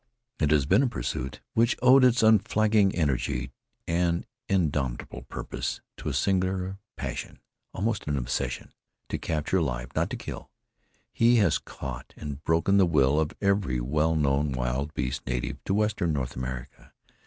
It has been a pursuit which owed its unflagging energy and indomitable purpose to a singular passion, almost an obsession, to capture alive, not to kill. He has caught and broken the will of every well known wild beast native to western North America.